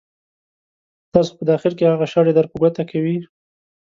ستاسو په داخل کې هغه شخړې در په ګوته کوي.